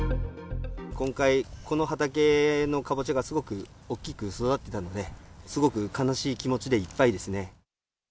今回、この畑のカボチャがすごく大きく育ってたんで、すごく悲しい気持ちでいっぱいですね。